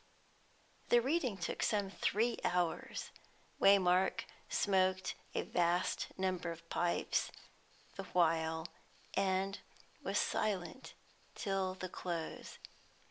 '" The reading took some three hours; Waymark smoked a vast number of pipes the while, and was silent till the close.